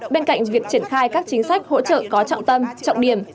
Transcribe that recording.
bên cạnh việc triển khai các chính sách hỗ trợ có trọng tâm trọng điểm